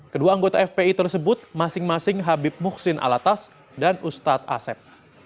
kedua anggota fpi tersebut masing masing habib muhsin alatas dan ustadz asep